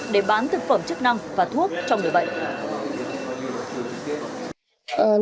để bán thực phẩm chức năng và thuốc cho người bệnh